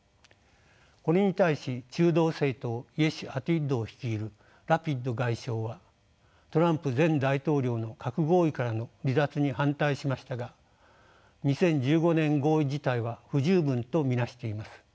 これに対し中道政党「イェシュアティド」を率いるラピド外相はトランプ前大統領の核合意からの離脱に反対しましたが２０１５年合意自体は不十分と見なしています。